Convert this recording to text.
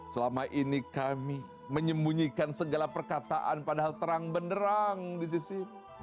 selama ini kami menyembunyikan segala perkataan padahal terang benderang di sisi